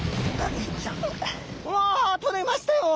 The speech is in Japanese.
うわとれましたよ！